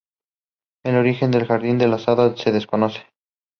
The Texas Farm Bureau welcomed the decision.